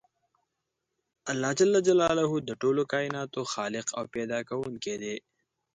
الله ج د ټولو کایناتو خالق او پیدا کوونکی دی .